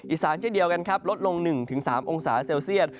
อีสานเจ้าเดียวกันรวดลง๑๓องศาเซลเซียด